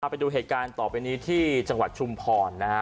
ไปดูเหตุการณ์ต่อไปนี้ที่จังหวัดชุมพรนะฮะ